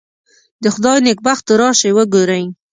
د خدای نېکبختو راشئ وګورئ.